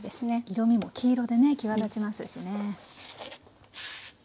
色みも黄色でね際立ちますしね。